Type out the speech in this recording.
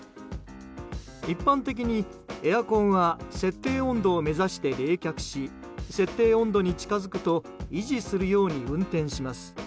一般的にエアコンは設定温度を目指して冷却し設定温度に近づくと維持するように運転します。